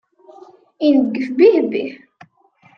Ineggef bih-bih.